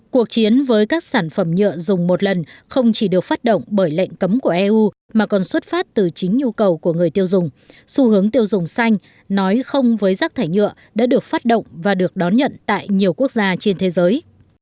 cuộc chiến với các sản phẩm nhựa dùng một lần không chỉ được phát động bởi lệnh cấm của eu mà còn xuất phát từ chính nhu cầu của người tiêu dùng xu hướng tiêu dùng xanh nói không với rác thải nhựa đã được phát động và được đón nhận tại nhiều quốc gia trên thế giới